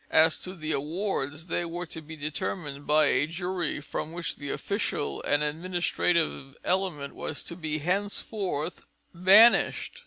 As to the awards, they were to be determined by a jury from which the official and administrative element was to be henceforth banished.